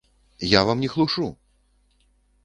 Я вам не хлушу!